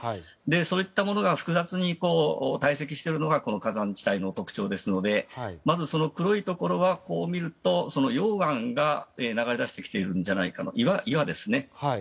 そういったものが複雑に堆積しているのがこの火山地帯の特徴ですのでまず、その黒いところはこう見ると溶岩が流れ出してきているんじゃないかと岩ですね。